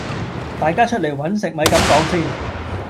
大家出嚟搵食咪咁講先